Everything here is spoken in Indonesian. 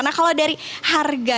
nah kalau dari harga